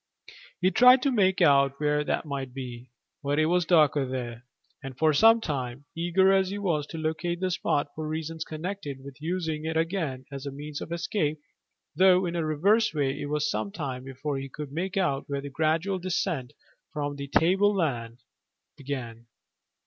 He tried to make out where that might be, but it was darker there, and for some time, eager as he was to locate the spot for reasons connected with using it again as a means of escape, though in a reverse way, it was some time before he could make out where the gradual descent from the tableland began.